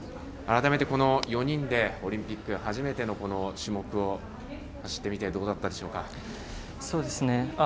改めて、この４人でオリンピック初めての種目を走ってみてどうだったでしょうか。